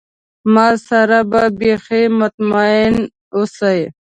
ما سره به بیخي مطمئن اوسی.